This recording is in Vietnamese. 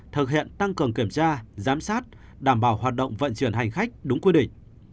thực hiện tăng cường kiểm tra giám sát đảm bảo hoạt động vận chuyển hành khách đúng quy định